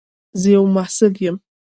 زه یو محصل یم.